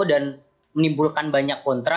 dan menimbulkan banyak kontra